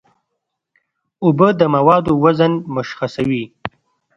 اوبه د موادو وزن مشخصوي.